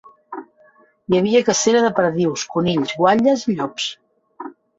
Hi havia cacera de perdius, conills, guatlles i llops.